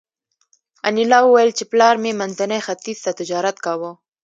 انیلا وویل چې پلار مې منځني ختیځ ته تجارت کاوه